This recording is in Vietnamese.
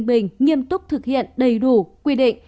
bình nghiêm túc thực hiện đầy đủ quy định